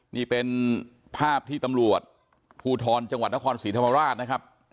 นี่เป็นภาพที่ตำรวจภูทรจังหวัดนครศรีธรรมราชนะครับ